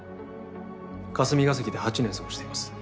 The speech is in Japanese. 霞が関で８年過ごしています